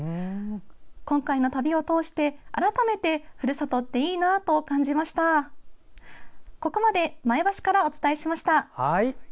今回の旅を通して、改めてふるさとっていいなと感じました。